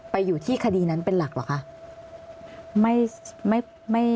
ไปอยู่ที่คดีนั้นเป็นหลักเหรอคะ